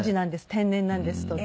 天然なんですとっても。